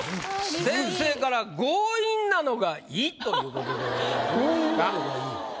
先生から「強引なのがいい！」ということでございました。